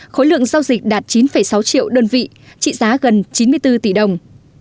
khối lượng giao dịch đạt chín sáu triệu đơn vị trị giá gần chín mươi bốn tỷ đồng